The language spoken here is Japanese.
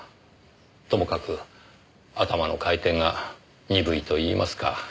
ともかく頭の回転が鈍いといいますか。